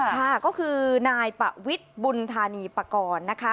ค่ะก็คือนายปะวิทย์บุญธานีปากรนะคะ